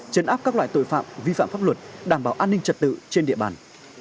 chấn áp các loại tội phạm vi phạm pháp luật đảm bảo an ninh trật tự trên địa bàn